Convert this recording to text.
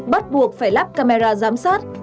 bắt buộc phải lắp camera giám sát